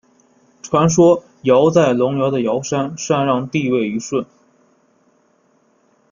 传说尧在隆尧的尧山禅让帝位予舜。